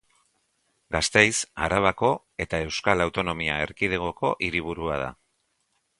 Gasteiz Arabako eta Euskal Autonomia Erkidegoko hiriburua da.